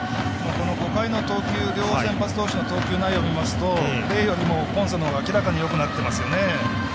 この５回の投球両先発投手の投球内容見ますとレイよりもポンセのほうが明らかによくなってますよね。